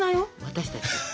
私たち。